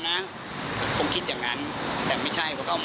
ไอสารพัฒน์เนี่ยถึงผมก็จำประหลีไม่ได้ทั้งหมด